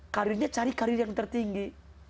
karirnya cari karir yang tertinggi